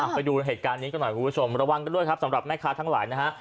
ไปดูเหตุการณ์นี้กันหน่อยคุณผู้ชมระวังกันด้วยครับสำหรับแม่ค้าทั้งหลายนะฮะ